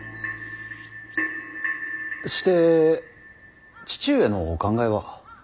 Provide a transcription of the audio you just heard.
して父上のお考えは。